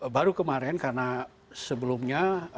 baru kemarin karena sebelumnya